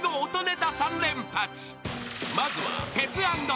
［まずは］